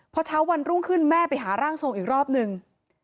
พอเช้าวันรุ่งขึ้นแม่ไปหาร่างทรงอีกรอบนึง